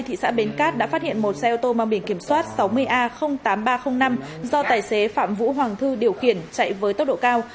thị xã bến cát đã phát hiện một xe ô tô mang biển kiểm soát sáu mươi a tám nghìn ba trăm linh năm do tài xế phạm vũ hoàng thư điều khiển chạy với tốc độ cao